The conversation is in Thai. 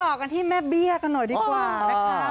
ต่อกันที่แม่เบี้ยกันหน่อยดีกว่านะคะ